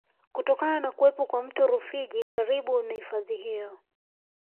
Kutokana na kuwepo kwa mto Rufiji karibu na hifadhi hiyo